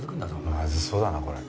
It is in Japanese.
まずそうだなこれ。